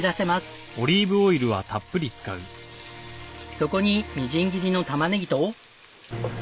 そこにみじん切りの玉ネギと。